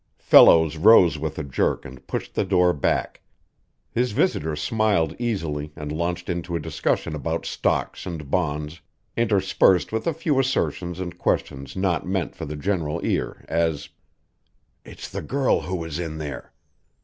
Fellows rose with a jerk and pushed the door back. His visitor smiled easily and launched into a discussion about stocks and bonds interspersed with a few assertions and questions not meant for the general ear, as: "_It's the girl who is in there.